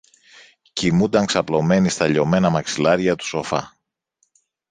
κοιμούνταν ξαπλωμένη στα λιωμένα μαξιλάρια του σοφά